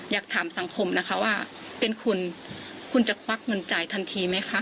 อยากถามสังคมนะคะว่าเป็นคุณคุณจะควักเงินจ่ายทันทีไหมคะ